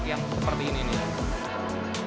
bukan dikacau kacau tapi ini yang bisa dikacau kacau